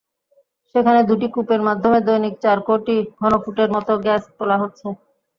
সেখানে দুটি কূপের মাধ্যমে দৈনিক চার কোটি ঘনফুটের মতো গ্যাস তোলা হচ্ছে।